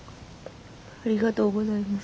ありがとうございます。